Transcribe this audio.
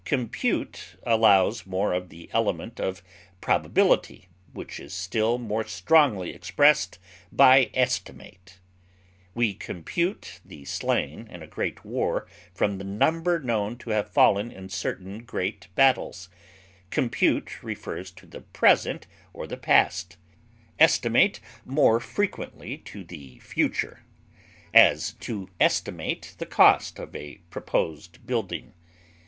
Compute allows more of the element of probability, which is still more strongly expressed by estimate. We compute the slain in a great war from the number known to have fallen in certain great battles; compute refers to the present or the past, estimate more frequently to the future; as, to estimate the cost of a proposed building.